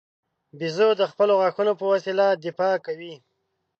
بیزو د خپلو غاښو په وسیله دفاع کوي.